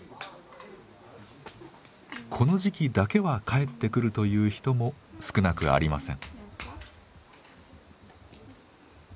この時期だけは帰ってくるという人も少なくありません。